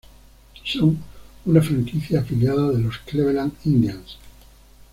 Son una franquicia afiliada de Los Cleveland Indians.